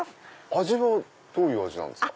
味はどういう味なんですか？